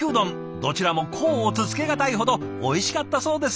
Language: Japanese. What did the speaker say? どちらも甲乙つけがたいほどおいしかったそうです。